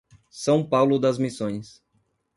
São Paulo das Missões